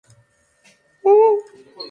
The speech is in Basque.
Inprimatzeko bertsioa gorde dut.